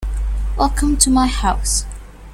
Welcome to my house.